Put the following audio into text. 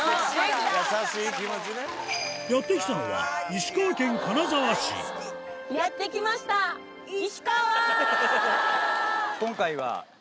やって来たのはやって来ました石川！